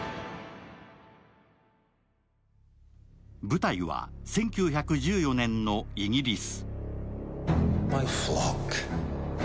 舞台は１９１４年のイギリス。